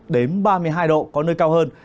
hai mươi chín đến ba mươi hai độ có nơi cao hơn